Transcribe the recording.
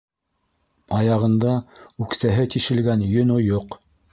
Аяғында үксәһе тишелгән йөн ойоҡ.